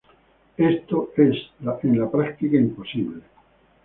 Esto es en la práctica imposible.